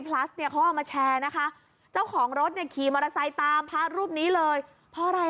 และก็กลับมาใส่ข้าวสาบกบเท้า